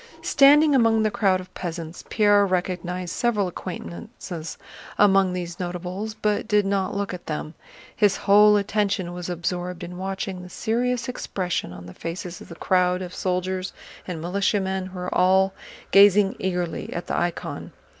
Standing among the crowd of peasants, Pierre recognized several acquaintances among these notables, but did not look at them—his whole attention was absorbed in watching the serious expression on the faces of the crowd of soldiers and militiamen who were all gazing eagerly at the icon.